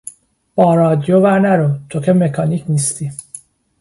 به رادیو ور نرو، تو که مکانیک نیستی!